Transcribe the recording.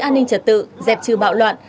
an ninh trật tự dẹp trừ bạo loạn